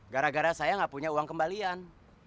gara gara saya gak punya uang kembalian